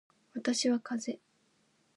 私はかぜ